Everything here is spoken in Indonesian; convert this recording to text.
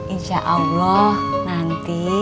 insya allah nanti